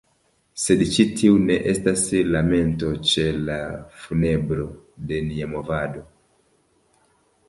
Sed ĉi tiu ne estas lamento ĉe la funebro de nia movado.